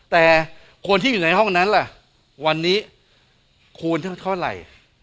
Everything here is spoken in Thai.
แต่คนที่อยู่ในห้องนั้นล่ะวันนี้คูณเท่าไหร่